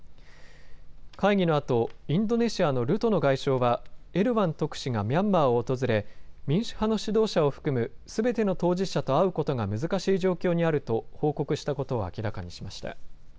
会議のあとインドネシアのルトノ外相はエルワン特使がミャンマーを訪れ民主派の指導者を含むすべての当事者と会うことが難しい状況にあると報告したことを明らかにしました。